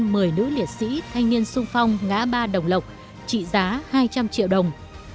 mời nữ liệt sĩ thanh niên sung phong ngã ba đồng lọc trị giá hai trăm linh triệu đồng